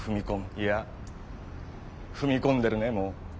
いや踏み込んでるねもう。